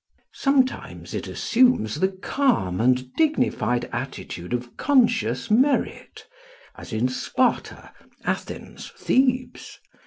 Sometimes it assumes the calm and dignified attitude of conscious merit, as in Sparta, Athens, Thebes.